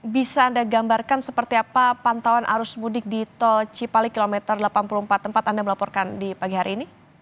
bisa anda gambarkan seperti apa pantauan arus mudik di tol cipali kilometer delapan puluh empat tempat anda melaporkan di pagi hari ini